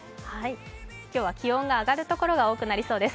今日は気温が上がるところが多くなりそうです。